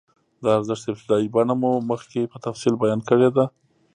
د ارزښت ابتدايي بڼه مو مخکې په تفصیل بیان کړې ده